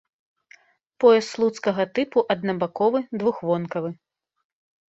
Пояс слуцкага тыпу аднабаковы двухвонкавы.